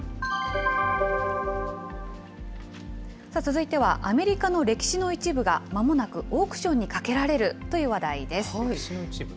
さあ、続いてはアメリカの歴史の一部がまもなくオークションにかけられ歴史の一部？